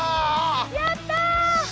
やった！